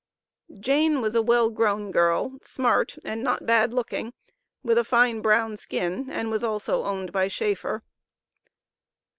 Jane was a well grown girl, smart, and not bad looking, with a fine brown skin, and was also owned by Schaeffer.